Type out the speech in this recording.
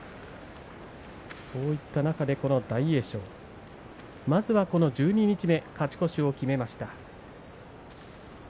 そういった中で、この大栄翔まずはこの十二日目勝ち越しを決めました。